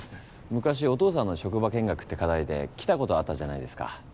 昔お父さんの職場見学って課題で来たことあったじゃないですか。